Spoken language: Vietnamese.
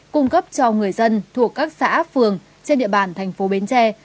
cung cấp cho người dân thuộc các xã phường trên địa bàn thành phố bến tre